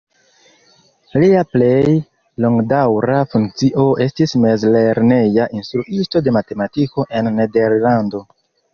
Lia plej longdaŭra funkcio estis mezlerneja instruisto de matematiko en Nederlando.